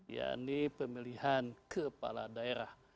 ya ini pemilihan kepala daerah